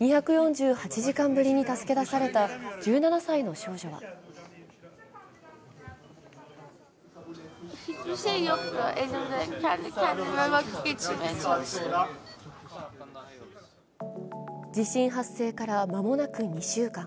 ２４８時間ぶりに助け出された１７歳の少女は地震発生から間もなく２週間。